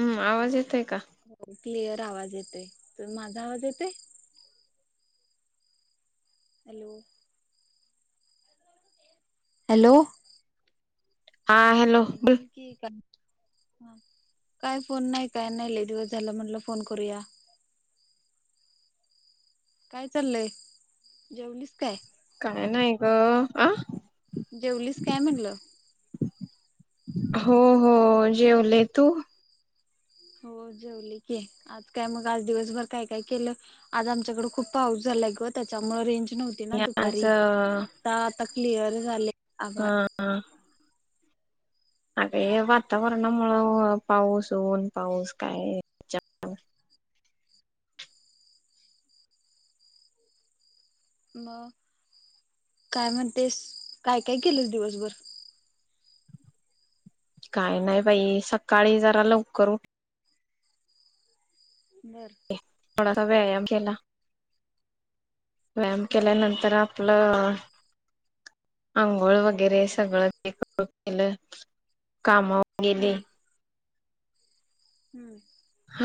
हम्म आवाज येतोय का हो क्लिअर आवाज येतय तर माझा आवाज येतय. हॅलो. हॅलो. हा बोल की का काय फोन नाही काय नाही लई दिवस झाला म्हटलं फोन करूया काय चाललय जेवलीस काय? काय नाही ग अ जेवलीस काय म्हणलं हो हो जेवले तू हो जेवली की आज काय मग आज दिवसभर काय काय केलं आज आमच्याकड खूप पाऊस झालाय ग त्याच्यामुळे रेंज नव्हती ना आज दुपारी आता तर क्लिअर झाले. हा आभाळ हा [unintelligible] वातावरणामुळ पाऊस दोन पाऊस काय चा मग काय म्हणतेस काय काय केलंस दिवसभर काय नाही बाई सकाळी जरा लवकर ऊठ बर. थोडासा व्यायाम केला. व्यायाम हम्म केल्या नंतर आपलं आंघोळ वगैरे सगळं ते कर केलं कामा गेले. हम्म हम्म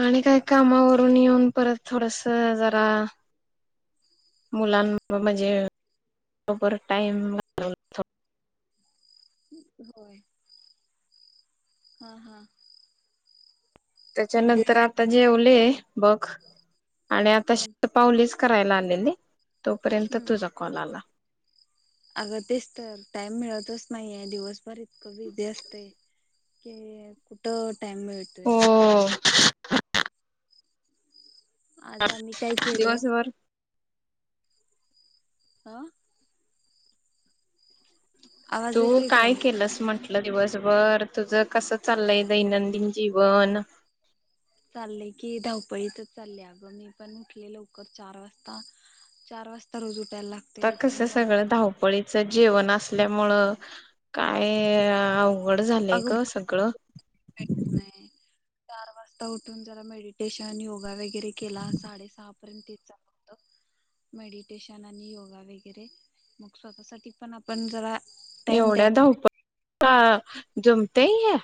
आणि काय कामावरून येऊन परत थोडस जरा मुलां म्हणजे बरोबर टाईम घालवला फक्त होय. हा हा. म्हणजे त्याच्यानंतर आता जेवले बघ. आणि आता हम्म शतपावलीच करायला आलेले तोपर्यंत हम्म तुझा कॉल आला. अगं [inaudible] तेच तर टाइम मिळतच नाहीेये दिवसभर [inaudible] बिझी असतय [inaudible] कुठ [inaudible] टाइम मिळतोय हो [inaudible] आज आम्ही काय [unintelligible] केलं दिवसभर अं [inaudible] आवाज तू येतोय काय केलंस म्हट म्हटलं दिवसभर तुझं कस? चाललय दैनंदिन जीवन. चाललंय की धावपळीतच चाललेय अगं मी पण उठले लवकर चार वाजता चार वाजता रोज उठायला लागते आता कस उठून मग सगळं धावपळीचं जेवण हो असल्यामुळं काय--अव अवघड झालंय अगं ग बोलायला सगळं भेटत नाही चार वाजता उठून जरा मेडिटेशन योगा वग वगैरे केला साडे सहा [inaudible] [inaudible] तोपर्यंत तेच चालू होत मेडिटेशन आणि योगा वगैरे मग स्वतः सा पण आपण जरा टाइम द्यायला एवढ्या धावपळी का जमते हे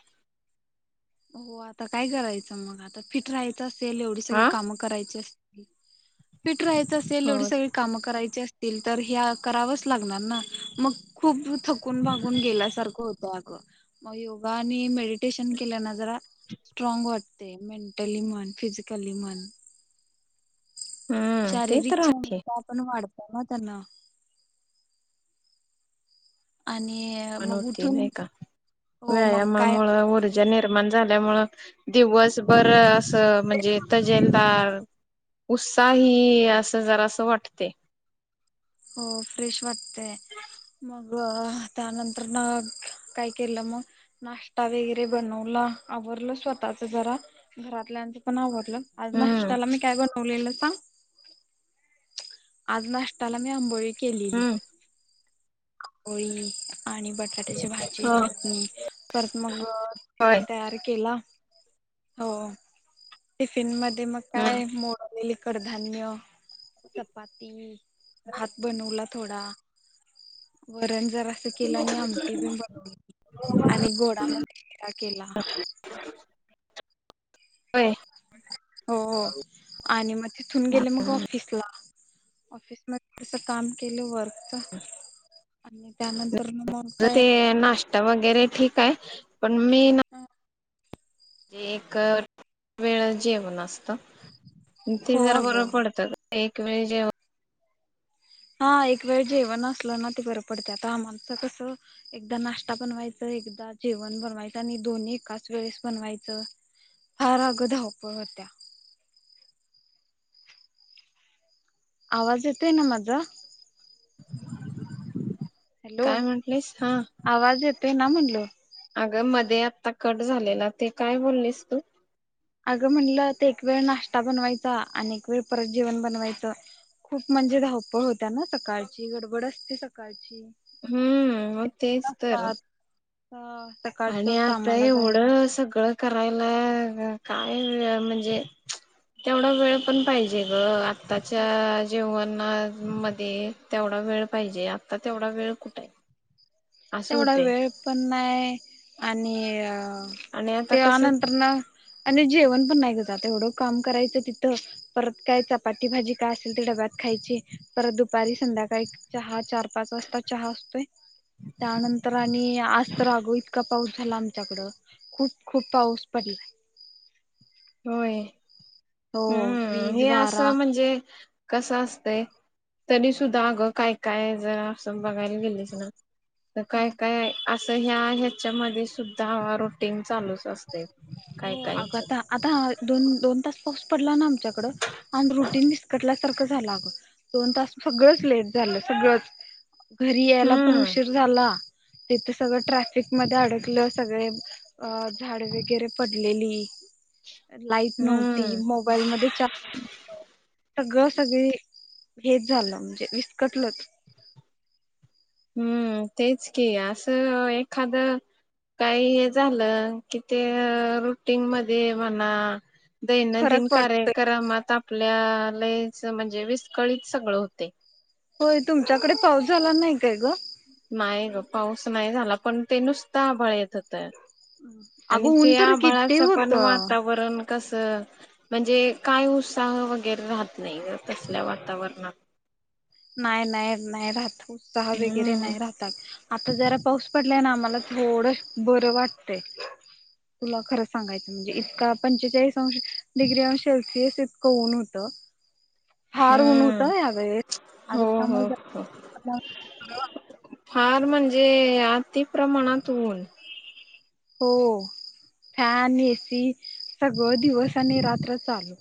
हो आता काय करायचं? मग आता फिट राहायचं असेल एवढी सगळी हा कामं करायची अस [inaudible] फिट राहायचं असेल हो एवढी सगळी कामं करायची अस तर हे करावच लागणार ना मग खूप थकून भागून गेल्यासारखं होतं अगं मग योगा आणि मेड स्टेशन केल्या जरा स्ट्रॉंग वाटत ते मेंटली म्हण, फिजिकली म्हण [inaudible] हम्म ते शारीरिक तर आहे क्षमता आपण वाढत सांगा त्यांना आणि माण मग होते उठून नाही का हो मग काय व्यायामामुळे ऊर्ज निर्माण झाल्या मुळ दिवसभर असं म्हणजे तजेलदार उत्साही असं जरा असं वाटते हो फ्रेश वाटतेय मग त्यानंतर ना काय केलं मग नाष्टा वगैरे बनवलं आवरडलं स्वतःच जरा घरातल्यांचं पण आवरडलं आज हम्म नाष्टयाला मी काय बनवलेल [unintelligible] आज नाष्टाला मी आंबोळी- केलेली- हम्म वोई आणि बटाट्याची भाजी हा चटणी परत मग अ होय [inaudible] तयार केला. हो टिफिन मध- ते मग हम्म काय मोड आलेली - कडधान्य- [inaudible] पाती भात बनवलात - थोडा वरण - जरा स केलं आणि आमटी ब बनवली आणि गोडामध्ये शिरा केला. होय. हो-हो आणि मग तिथून गेले मग ऑफिसला. ऑफिस [inaudible] काम केलं वर्कच. आणि त्यानंतर मग माझं काय- ते [inaudible] ठीक आहे. पण मी ना- एक वेळ जेवण अस - [inaudible] ते हो जरा बर अगं पडत एक- [inaudible] हा एक वेळ जेवण असलं ना ते बर पडते आता आमचं हम्म एक वेळ जेवण असलं न ते बर पडत, आत्ता कसं एकदा नाश्ता बनवायचं, एकदा जेवण बनवायचं आणि दोन्ही एकाच वेळेस बनवायचं फार आग धावपळ होत्या. आवाज येतोय ना माझा- [inaudible] काय म्हटलेस हम्म- ते ना म्हणलं- आग मध्ये आत्ता कट झालेला ते काय बोललीस तू? आगं म्हणलं ते एक वेळ नाश्ता बनवायचा, अन एक वेळ परत जेवण बनवायचं, खूप म्हणजे धावपळ होत्या ना सकाळची गडबड असते. सकाळची- हम्म मग तेच तर- हा- आणि आता एवढं सगळं करायला काय म्हणजे तेवढा वेळ पण पाहिजे ग त्याच्या जेवणा मध्ये तेवढा वेळ पाहिजे. आत्ता तेवढा वेळ कुठय? तेवढा वेळ पण नाय आणि अ आणि आता कसं त्यानंतरन आणि जेवण पण नाही ग तेवढं काम करायचं तिथं परत काय चपाती, भाजी काय असेल ते डब्यात खायची परत दुपारी, संध्याकाळी चहा चार, पाच वाजता चहा असतोय. त्यानंतर आणि आज तर अगं इतका पाऊस झाला आमच्याकडं खूप खूप पाऊस पडला. होय. हम्म वीज हे असं वारा म्हणजे कसं असतय तरी सुुद्धा अगं काय काय जरा असं बघायला गेलीस ना. तर काय काय? असं ह्या ह्याच्यामध्ये सुद्धा ह रुटींग. चालूच असते काय हो कायच. अगं आता आता दोन दोन तास पाऊस पडला ना आमच्याकड आणि रुटीन विसकटल्यासारखं झालं अगं दोन तास सगळंच लेट झालं सगळच. घरी यायला पण हम्म उशीर झाला. तिथं सगळं ट्रॅफिक मध्ये अडकलं सगळे झाड वगैरे पडलेली. लाईट नव्हती, हम्म मोबाईल मध्ये चार्ज सगळं सगळी हेच झालं म्हणजे विसकटलच. हम्म. तेच की असं एखाद काही हे झालं कि ते रुटीन मध्ये म्हणा फरक दैनंदिन पडत कार्यक्रमात आपल्या लईच म्हणजे विस्कळीत सगळं होतय. होय तुमच्याकडे पाऊस झाला नाही काय ग? नाही ग पाऊस नाही झाला, पण ते नुसता आभळ येत अगं आणि ऊन त्या तर किती आभाळाचं होत पण वातावरण कस म्हणजे काय उत्साह वगैरे राहत नाही तसल्या वातावरणात. नाही नाही नाही राहत. चहा वगैरे हम्म नाही राहतात. आता जरा पाऊस पडलाय ना आम्हाला थोड बरं आता जरा पाऊस पडलाय ना आम्हाला थोडं बरं वाटतंय, तुला खरं सांगायचं म्हणजे इतका पंचेचाळीस अंश डिग्री अंश सेल्सिअस इतकं ऊन होत. फार ऊन हम्म होतं या वळेस. हो हो हो. फार म्हणजे अति प्रमाणात ऊन. हो. फॅन, एसी सगळं दिवस आणि रात्र चालू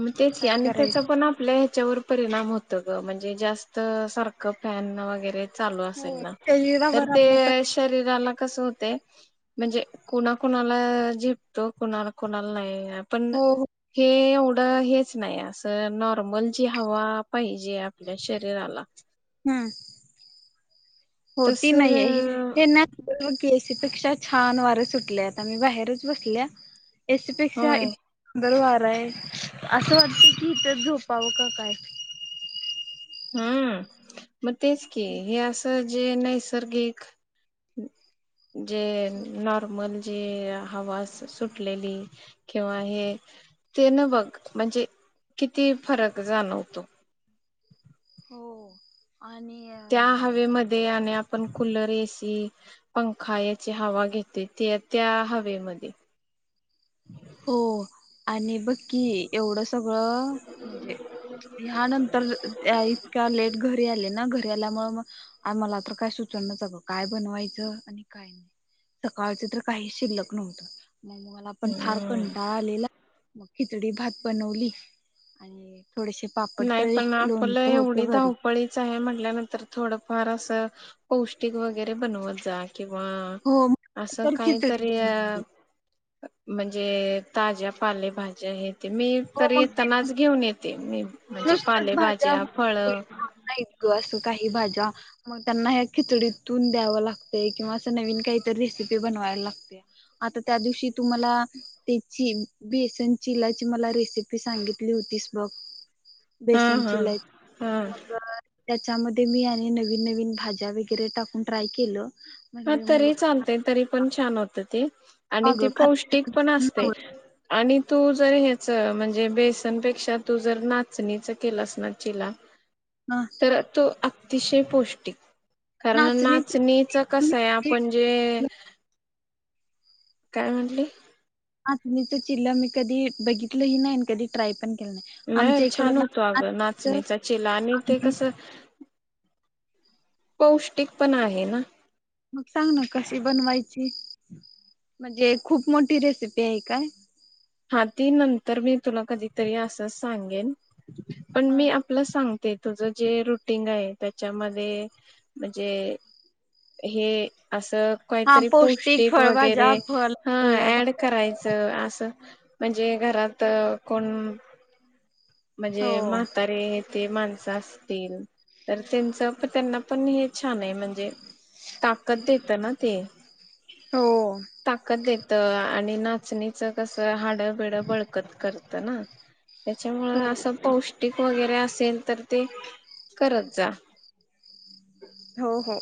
मग तेच की काय आणि त्याचा करायचं पण आपल्या त्याच्यावर परिणाम होत ग म्हणजे जास्त सारखं फॅन वगैरे चालू असेल ना तर शरीरावर ते आपल्या शरीराला कस होते म्हणजे कुणा कुणाला झेपतो कुणा कुणाला नाई पण हो हो हे हेच नाही असं नॉर्मल जी हवा पाहिजे आपल्या शरीराला हम्म तस होती नाही हे ना [unintelligible] त्यापेक्षा छान वारे सुटले आता मी बाहेरच बसल्या एसी पेक्षा होय ईथ बर वा [unintelligible] असं वाटत की इथ झोपावं का काय हम्म मग तेच की म हे असं जे नैसर्गिक जे नॉर्मल जे हवा सुटलेली किंवा हे ते न बघ म्हणजे किती फरक जाणवतो हो आणि अ त्या हवेमध्ये आणि आपण कुलर एसी पंखा याची हवा घेते त्या त्या हवेमध्ये हो आणि बक्की एवढं सगळं म्हणजे ह्यानंतर इतका्या लेट घरी आले ना घरी आल्यामुळे मग आमाला तर काय सुचनाच अगं काय बनवायचं आणि काय नाही सकाळच तर काही शिल्लक नव्हतं मला पण फार हम्म कंटाळ आलेला मग खिचडी भात बनवली आणि थोडेसे पापड नाही तळले पण आपलं लोणचं एवढी होतं घरी धावपळीच आहे म्हटल्यानंतर थोडंफार अस पौष्टिक वगैरे बनवत जा किंवा हो मग असं तर खिचडी काहीतरी अ बनवली म्हणजे ताज्या पालेभज्या हे ते मी तरी येतानाच घेऊन येते मी म्हणजे नुसत्याच भाज्या पालेभाज्या मग फळ त्या कोण खात नाहीत ग अस- का भाज्या मग त्यांना खिचडीतून द्याव लागत किवा अस नवीन काहीत रेसिपी बनवाला लागते आता त्या दिवशी तुम्हाला त्याची बेसन चिलाची मला रेसिपी सांगितली होतीस ब हा बेसन हा चिलाय हा मग त्याच्यामध्ये मी आणि नवीन नवीन भाज्या वगैरे टाकून ट्राय केलं हा म्हटलं मुलं तरी चालतय खातात तरी पण छान होत ते आणि ती अगं पौष्टिक पण असतय खात आणि तू जर ह्याच म्हणजे बेसनपेक्षा तू जर नाचणीच केलंस ना चिला तर तो अतिशय पौष्टिक. कारण नाचणीची नाचणीच कस मी आहे कधी आपण जे [inaudible] काय म्हटली. हा मी तो चिला मी कधी बघितलं ही नाय कधी ट्राय पण केलं नाही आमच्या छान इकडं ना होतो अगं नाचणीचा चेला आणि ते कसं पौष्टिक पण आहे ना. मग सांग ना कशी बनवाय ची म्हणजे खूप मोठी रेसिपी आहे काय? हा ती नंतर मी तुला कधीतरी असच सांगेन. पण हा मी आपलं सांगते. तुझं जे रुटीन आहे, त्याच्यामध्ये म्हणजे हे अस हा काहीतरी पौष्टिक फळभाज्या वगैरे फळ हा हो ऍड करायचं असं म्हणजे घरात कोण म्हणजे हो म्हातारे ते माणसं असतील तर त्यांच प त्यांना पण हे छाने म्हणजे ताकद देत ना ते. ताकत देत. त आणि नाचणीच कस हाड बिड बळकत करत ना त्याच्यामुळे हो असं पौष्ट ष्टीक वगैरे असेल तर ते करत जा. हो हो.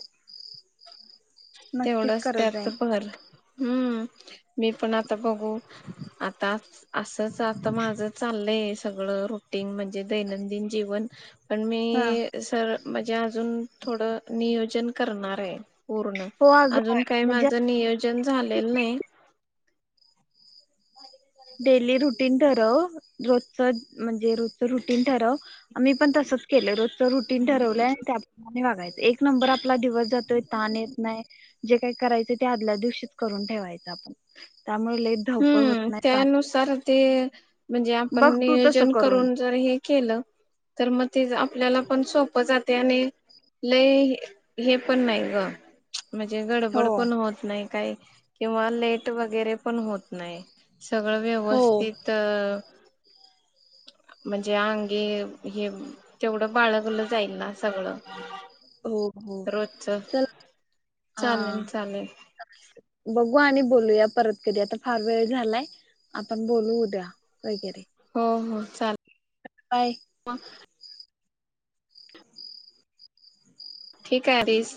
नक्कीच तेवढंच करत त्यात जाईन भर. हम्म मी पण आता बघू आता असंच आता माझ चाललंय सगळं रुटीन म्हणजे दैनंदिन जीवन पण मी हा सर म्हणजे अजून थोडं नियोजन करणार, रे. [inaudible] पूर्ण हो अगं अजून काही म्हणजे माझं नियोजन झालेलं नाही. डेली रुटीन ठरव रोजच म्हणजे रोजच रुटींग ठरव, आम्ही पण तसच केलं रोजच रुटीन ठरवलंय त्याप्रमाणे वागायचं. एक नंबर आपला दिवस जातोय ताण येत नाय जे काय करायचं ते आदल्या दिवशीच करून ठेवायचं आपण त्यामुळं लई धग हम्म त्यानुसार ते म्हण जे आपण बघ तू तसं नियोजन करून जर हे केल तर मग तेज आपल्याला पण सोपं जातंय आणि लई हे पण नाही गं म्हणजे हो गडबड पण होत नाही काय किंवा लेट वगैरे पण होत नाही. सगळं हो व्यवस्थित म्हणजे अंगे हे तेवढं बाळगलं जाईल ना सगळं हो. हो रोजच चालेल [unintelligible] चालेल बघ होय आणि बोलूया परत कधी आता फार वेळ झालाय. आपण बोलू उद्या, वगैरे हो हो चाल [inaudible] बाय ठीक आहे रें सा